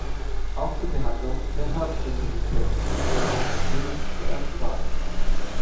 Auch zur Behandlung der Herzinsuffizienz gilt es als Mittel der ersten Wahl.